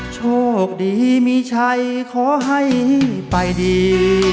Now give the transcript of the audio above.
โชคดีไม่ใช่ขอให้ไปดี